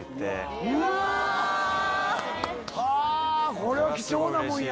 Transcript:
これは貴重なもんやな。